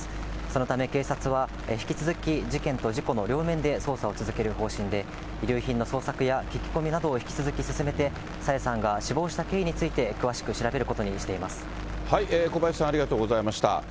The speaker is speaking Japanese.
そのため、警察は引き続き、事件と事故の両面で捜査を続ける方針で、遺留品の捜索や聞き込みなどを引き続き進めて、朝芽さんが死亡した経緯について、小林さん、ありがとうございました。